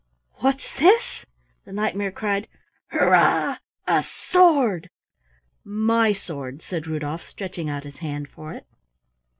"What's this?" the Knight mare cried. "Hurrah, a sword!" "My sword," said Rudolf, stretching out his hand for it.